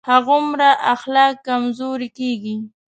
هماغومره اخلاق کمزوری کېږي.